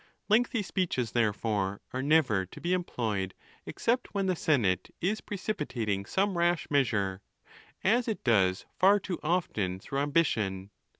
Lengthy speeches, therefore, are never to be sill except when the senate is precipitating some rash measure, as it does far too often through ambition.